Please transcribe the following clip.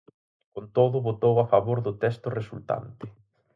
Con todo, votou a favor do texto resultante.